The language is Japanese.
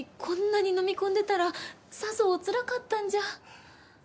こんなにのみ込んでたらさぞおつらかったんじゃ？